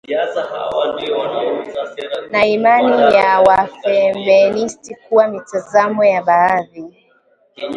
na imani ya wafeministi kuwa mitazamo ya baadhi